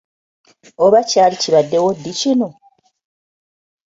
Oba kyali kibaddewo ddi kino!